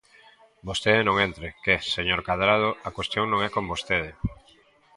Vostede non entre, que, señor Cadrado, a cuestión non é con vostede.